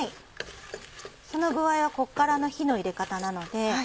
その具合はここからの火の入れ方なので。